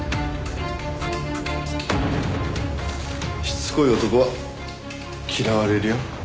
しつこい男は嫌われるよ。